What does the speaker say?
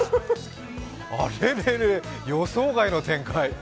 あれれれ、予想外の展開。